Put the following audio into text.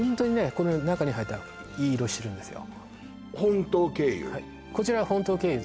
この中に入ったらいい色してるんですよ